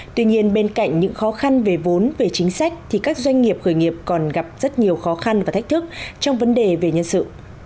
tuy nhiên bên cạnh những khó khăn về vốn về chính sách thì các doanh nghiệp khởi nghiệp còn gặp rất nhiều khó khăn và thách thức trong vấn đề về nhân sự